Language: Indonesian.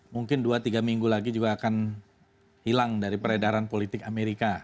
mungkin dua tiga minggu lagi juga akan hilang dari peredaran politik amerika